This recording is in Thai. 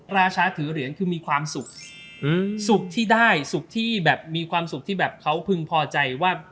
ราชาถือเหรียญคือมีความสุขสุขที่ได้สุขที่แบบมีความสุขที่แบบเขาพึงพอใจว่า